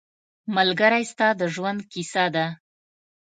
ملګری ستا د ژوند کیسه ده